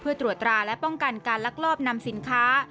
เพื่อตรวจตราและป้องกันการลักลอบนำสินค้า